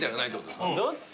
どっち？